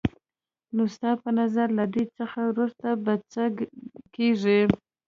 نو ستا په نظر له دې څخه وروسته به څه کېږي؟